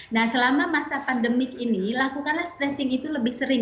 nah selama masa pandemik ini lakukanlah stretching itu lebih sering